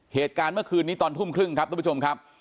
เหตุการณ์เมื่อคืนนี้ตอนทุ่มครึ่งครับทุกผู้ชมครับ